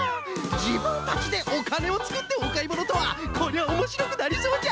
じぶんたちでおかねをつくっておかいものとはこりゃおもしろくなりそうじゃ！